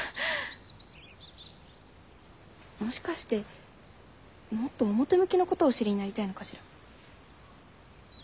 もしかしてもっと表向きのことをお知りになりたいのかしら。